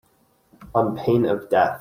On pain of death